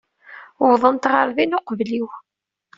Uwḍent ɣer din uqbel-iw.